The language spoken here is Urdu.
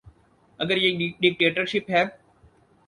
اگر یہ ڈکٹیٹرشپ ہے۔